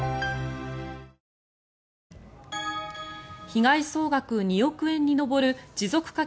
被害総額２億円に上る持続化